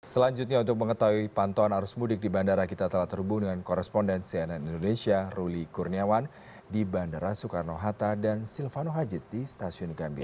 selanjutnya untuk mengetahui pantauan arus mudik di bandara kita telah terhubung dengan koresponden cnn indonesia ruli kurniawan di bandara soekarno hatta dan silvano hajit di stasiun gambir